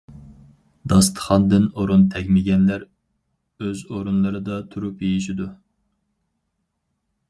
داستىخاندىن ئورۇن تەگمىگەنلەر ئۆز ئورۇنلىرىدا تۇرۇپ يېيىشىدۇ.